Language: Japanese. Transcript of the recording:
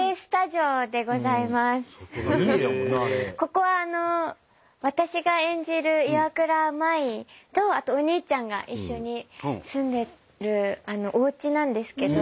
ここは私が演じる岩倉舞とあとお兄ちゃんが一緒に住んでるおうちなんですけど。